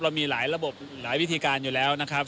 มีหลายระบบหลายวิธีการอยู่แล้วนะครับ